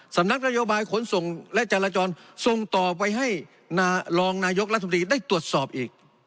สำนักนโยบายขนส่งและจราจรส่งต่อไปให้รองนายกรัฐมนตรีได้ตรวจสอบอีก